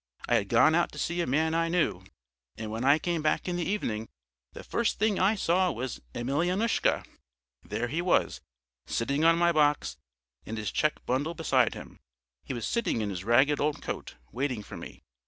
I had gone out to see a man I knew, and when I came back in the evening, the first thing I saw was Emelyanoushka! There he was, sitting on my box and his check bundle beside him; he was sitting in his ragged old coat, waiting for me.